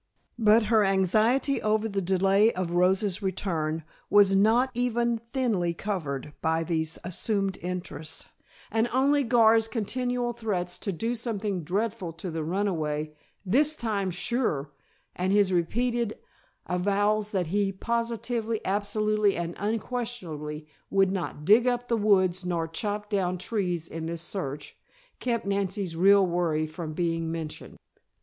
But her anxiety over the delay of Rosa's return was not even thinly covered by these assumed interests, and only Gar's continual threats to do something dreadful to the runaway "this time sure" and his repeated avowals that he positively, absolutely and unquestionably would not "dig up the woods nor chop down trees in this search," kept Nancy's real worry from being mentioned.